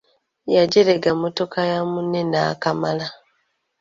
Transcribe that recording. Yagyerega mmotoka ya munne n'akamala.